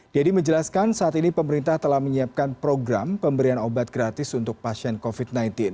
deddy menjelaskan saat ini pemerintah telah menyiapkan program pemberian obat gratis untuk pasien covid sembilan belas